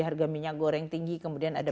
harga minyak goreng tinggi kemudian ada